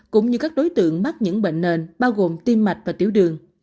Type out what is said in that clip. cũng như các đối tượng mắc những bệnh nền bao gồm tim mạch và tiểu đường